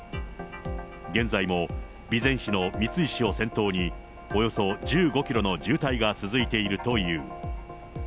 現在も、備前市の三石を先頭に、およそ１５キロの渋滞が続いているという。